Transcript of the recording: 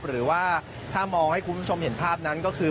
หรือว่าถ้ามองให้คุณผู้ชมเห็นภาพนั้นก็คือ